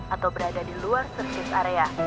atau berada di luar service area